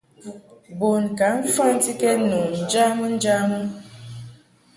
Bun ka mfantikɛd nu njamɨ njamɨ.